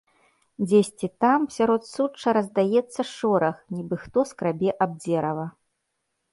Дзесьці там, сярод сучча раздаецца шорах, нібы хто скрабе аб дзерава.